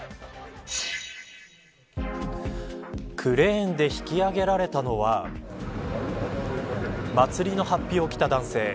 クレーンで引き上げられたのは祭りの法被を着た男性。